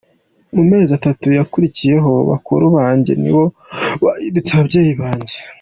Mu mezi atatu yakurikiyeho, bakuru banjye nibo bahindutse ababyeyi banjye.